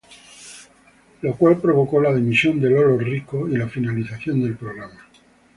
Ello provocó la dimisión de Lolo Rico y la finalización del programa.